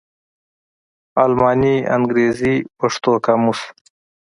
الماني _انګرېزي_ پښتو قاموس